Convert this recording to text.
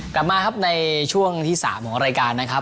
กลับมาครับในช่วงที่๓ของรายการนะครับ